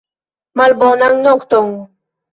Malbonan nokton!